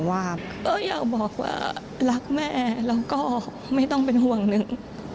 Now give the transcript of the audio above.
อยากบอกว่ารักแม่แล้วก็ไม่ต้องเป็นห่วงหนึ่ง